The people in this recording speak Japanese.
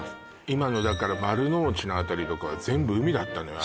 今のだから丸の内の辺りとかは全部海だったのよ